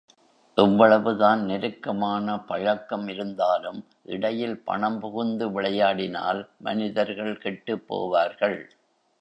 எவ்வளவுதான் நெருக்கமான பழக்கம் இருந்தாலும் இடையில் பணம் புகுந்து விளையாடினால் மனிதர்கள் கெட்டுப் போவார்கள்.